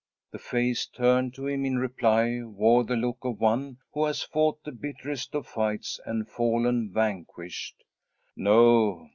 The face turned to him in reply wore the look of one who has fought the bitterest of fights and fallen vanquished. "No.